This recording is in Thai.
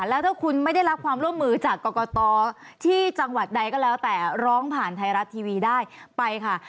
แล้วถ้าคุณไม่ได้รับความร่วมมือจากกรกตที่จังหวัดใดก็แล้วแต่ร้องผ่านไทยรัฐทีวีได้ไปค่ะ